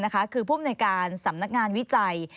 คือผู้อำนวยการสำนักงานวิจัย